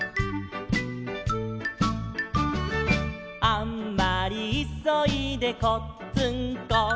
「あんまりいそいでこっつんこ」